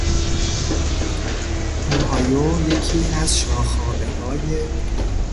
اوهایو یکی از شاخابههای